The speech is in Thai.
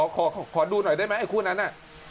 ขอดูหน่อยได้ไหมคู่นั้น